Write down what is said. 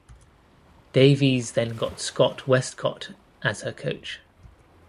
Davies then got Scott Westcott as her coach.